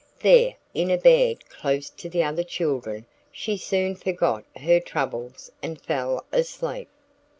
There, in a bed close to the other children, she soon forgot her troubles and fell asleep.